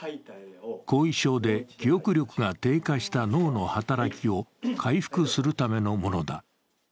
後遺症で記憶力が低下した脳の働きを回復するためのものだ。